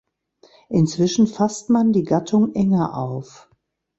Inzwischen fasst man die Gattung enger auf.